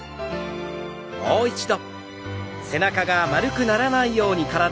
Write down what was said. もう一度。